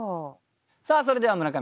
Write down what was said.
さあそれでは村上さん